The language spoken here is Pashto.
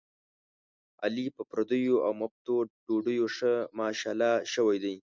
علي په پردیو اومفتو ډوډیو ښه ماشاءالله شوی دی.